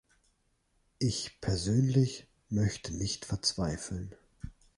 Ich persönlich möchte nicht verzweifeln.